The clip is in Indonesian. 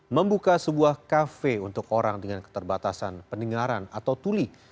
membuka sebuah kafe untuk orang dengan keterbatasan pendengaran atau tuli